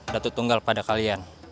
dato tunggal pada kalian